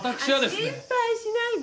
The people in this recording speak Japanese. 心配しないで。